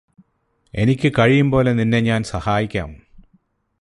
എനിക്കു കഴിയും പോലെ നിന്നെ ഞാന് സഹായിക്കാം